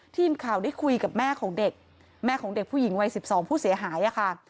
ทีมข่าวได้คุยกับแม่ของเด็กแม่ของเด็กผู้หญิงวัย๑๒ผู้เสียหายค่ะ